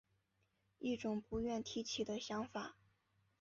一种不愿提起的想法